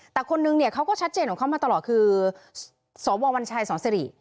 แต่คนนึงเนี่ยเขาก็ชัดเจนของเขามาตลอดคือสววัญชัยสสิริ